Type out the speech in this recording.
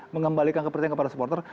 mengembalikan kepentingan kepada supporter